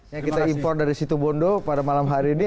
yang kita impor dari situ bondo pada malam hari ini